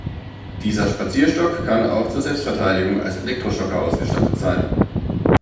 Dieser Spazierstock kann auch zur Selbstverteidigung als Elektroschocker ausgestattet sein.